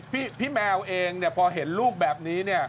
พี่แมวเองพอเห็นลูกแบบนี้เนี่ย